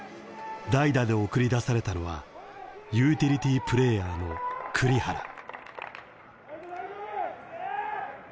代打で送り出されたのはユーティリティープレーヤーの栗原。